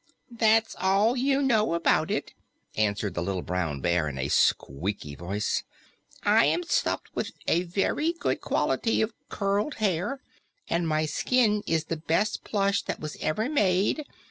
"That's all you know about it," answered the little Brown Bear in a squeaky voice. "I am stuffed with a very good quality of curled hair, and my skin is the best plush that was ever made.